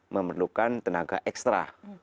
memerlukan tenaga ekstra